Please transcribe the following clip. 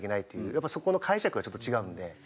やっぱそこの解釈がちょっと違うので。